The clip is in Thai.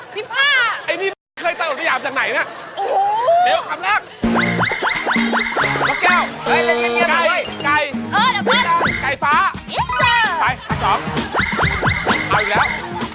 ไก่ฟ้าไปอันสองเอาอยู่แล้วถาม